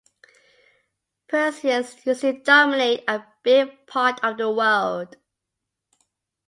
Persians used to dominate a big part of the world